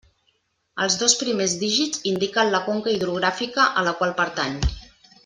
Els dos primers dígits indiquen la conca hidrogràfica a la qual pertany.